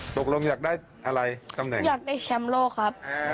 ตกลงอยากได้อะไรตำแหน่งอยากได้แชมป์โลกครับ